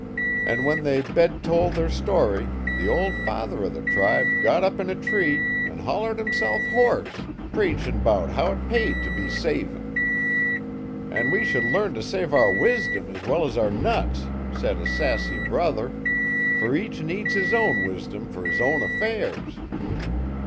An' when they bed tol' their story the ol' father o' the tribe got up 'n a tree an' hollered himself hoarse preachin' 'bout how 't paid t' be savin'. '"An' we should learn t' save our wisdom es well es our nuts," said a sassy brother; "fer each needs his own wisdom fer his own affairs."